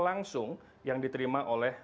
langsung yang diterima oleh